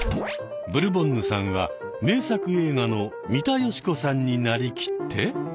ブルボンヌさんは名作映画の三田佳子さんになりきって。